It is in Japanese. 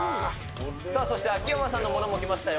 そして、秋山さんのものも来ましたよ。